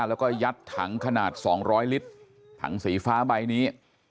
แล้วก็ยัดถังขนาด๒๐๐ลิตรถังสีฟ้าใบนี้